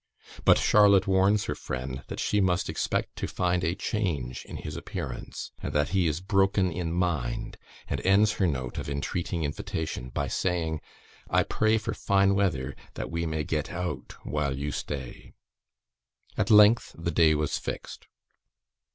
But Charlotte warns her friend that she must expect to find a change in his appearance, and that he is broken in mind; and ends her note of entreating invitation by saying, "I pray for fine weather, that we may get out while you stay." At length the day was fixed.